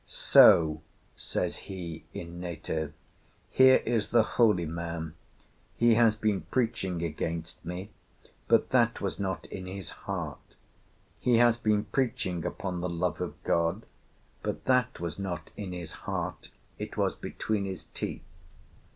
"'So,' says he, in native, 'here is the holy man. He has been preaching against me, but that was not in his heart. He has been preaching upon the love of God; but that was not in his heart, it was between his teeth.